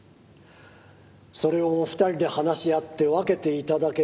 「それをお二人で話し合って分けて頂けると幸いです」